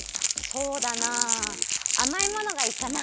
そうだなあまいものがいいかな。